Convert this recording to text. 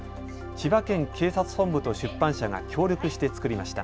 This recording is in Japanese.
千葉県警察本部と出版社が協力して作りました。